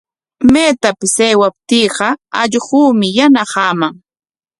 Maytapis aywaptiiqa allquumi yanaqaman.